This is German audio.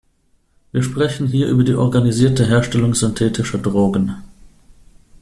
Wir sprechen hier über die organisierte Herstellung synthetischer Drogen.